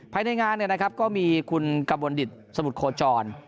ภายในงานเนี่ยนะครับก็มีคุณกับวนดิตสมุดโคจร